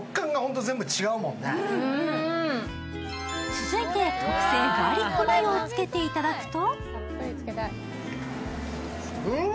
続いて特製ガーリックマヨをつけていただくと？